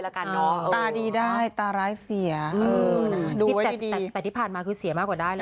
แล้วกันเนอะตาดีได้ตาร้ายเสียเออคิดแต่แต่ที่ผ่านมาคือเสียมากกว่าได้เลย